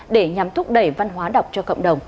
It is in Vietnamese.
để nhằm thúc đẩy văn hóa đọc cho cộng đồng